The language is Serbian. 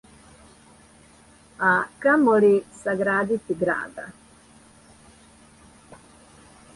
А камоли саградити града: